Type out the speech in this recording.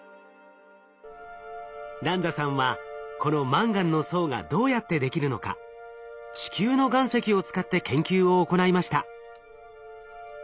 ランザさんはこのマンガンの層がどうやってできるのか地球の岩石を使って研究を行いました。